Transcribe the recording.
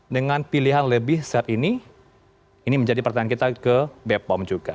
dengan pilihan lebih set ini ini menjadi pertanyaan kita ke bepom juga